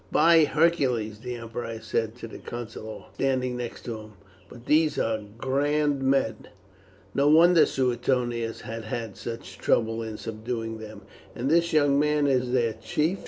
"By Hercules," the emperor said to the councillor standing next to him, "but these are grand men! No wonder Suetonius has had such trouble in subduing them. And this young man is their chief?